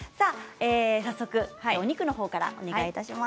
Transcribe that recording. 早速、お肉からお願いします。